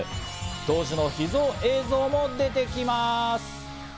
当時の秘蔵映像も出てきます。